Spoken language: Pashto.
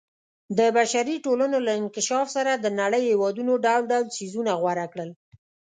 د بشري ټولنو له انکشاف سره د نړۍ هېوادونو ډول ډول څیزونه غوره کړل.